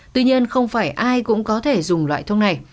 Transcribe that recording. tuy nhiên không phải ai cũng có thể dùng loại thuốc này